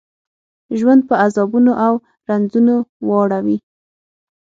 ژوند په عذابونو او رنځونو واړوي.